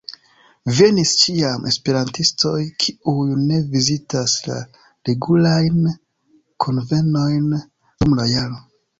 Venis ĉiam esperantistoj, kiuj ne vizitas la regulajn kunvenojn dum la jaro.